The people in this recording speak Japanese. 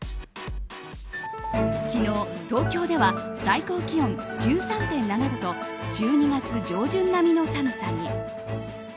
昨日、東京では最高気温１３．７度と１２月上旬並みの寒さに。